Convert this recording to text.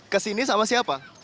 ke sini sama siapa